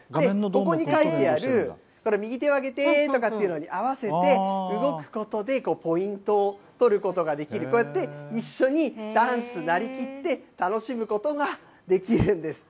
ここに書いてある、これ、右手をあげてとかに合わせて動くことで、ポイントを取ることができる、こうやって一緒にダンス、なりきって楽しむことができるんですって。